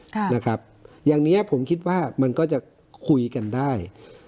ค่ะนะครับอย่างเนี้ยผมคิดว่ามันก็จะคุยกันได้